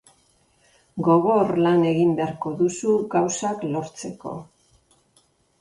Gogor lan egin beharko duzu gauzak lortzeko.